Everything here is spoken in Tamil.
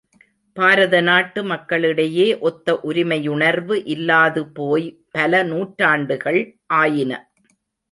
பாரத நாட்டு மக்களிடையே ஒத்த உரிமையுணர்வு இல்லாது போய் பல நூற்றாண்டுகள் ஆயின.